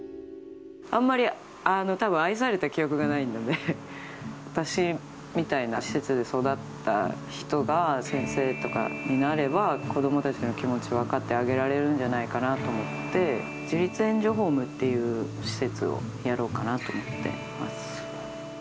あんまりたぶん、愛された記憶がないので、私みたいな施設で育った人が先生とかになれば、子どもたちの気持ちを分かってあげられるんじゃないかなと思って、自立援助ホームっていう施設をやろうかなと思ってます。